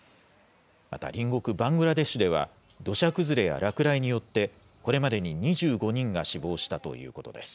また隣国バングラデシュでは、土砂崩れや落雷によって、これまでに２５人が死亡したということです。